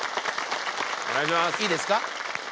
いいですか？